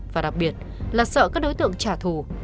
và đặc biệt là sợ các đối tượng trả thù